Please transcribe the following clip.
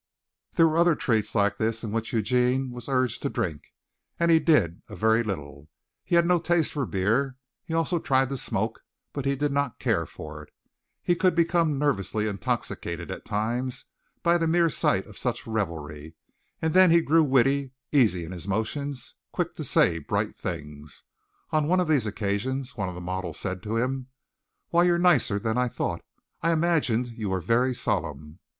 There were other treats like this in which Eugene was urged to drink, and he did a very little. He had no taste for beer. He also tried to smoke, but he did not care for it. He could become nervously intoxicated at times, by the mere sight of such revelry, and then he grew witty, easy in his motions, quick to say bright things. On one of these occasions one of the models said to him: "Why, you're nicer than I thought. I imagined you were very solemn."